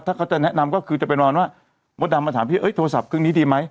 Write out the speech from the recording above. ถ้าเขาจะแนะนำก็คือจะเป็นประมาณว่ามดดำมาถามพี่เอ้ยโทรศัพท์เครื่องนี้ดีไหม